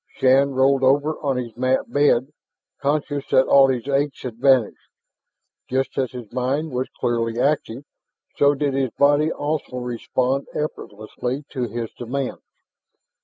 Shann rolled over on his mat bed, conscious that all his aches had vanished. Just as his mind was clearly active, so did his body also respond effortlessly to his demands.